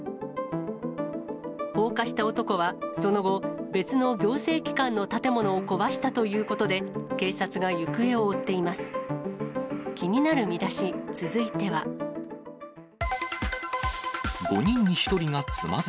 放火した男はその後、別の行政機関の建物を壊したということで、警察が行方を追っています。